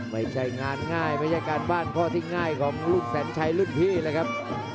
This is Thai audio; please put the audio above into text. ไม่ใช่งานง่ายไม่ใช่การบ้านพ่อ๓๘ของรุ่นแสงชัยรุ่นพี่เลยครับ